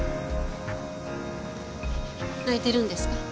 泣いてるんですか？